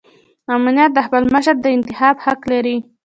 امت د خپل مشر د انتخاب حق لري.